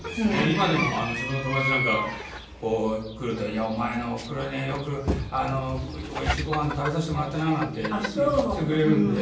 今でも自分の友達なんか来ると「いやお前のおふくろにはよくおいしいごはん食べさせてもらったな」なんて言ってくれるんで。